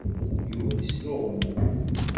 Yuba yesluɣmu.